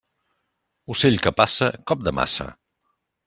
Ocell que passa, cop de maça.